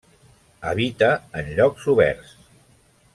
Habita en llocs oberts.